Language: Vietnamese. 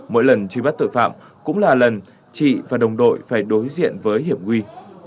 mỗi lần truy bắt tội phạm cũng là lần chị và đồng đội phải đối diện với hiểm nguy